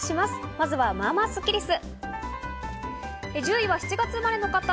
まずは、まあまあスッキりす。